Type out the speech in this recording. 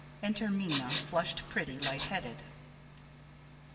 Enter Minna, flushed, pretty, light headed.